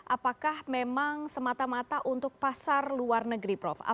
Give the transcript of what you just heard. apakah memang semata mata untuk pasar luar negeri prof